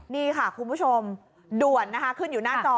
นี่ค่ะคุณผู้ชมด่วนนะคะขึ้นอยู่หน้าจอ